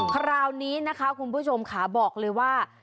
คราวนี้นะคะคุณผู้ชมค่ะบอกเลยว่า